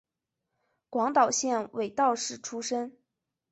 广岛县尾道市出身。